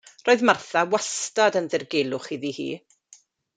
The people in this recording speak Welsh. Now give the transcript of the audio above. Roedd Martha wastad yn ddirgelwch iddi hi.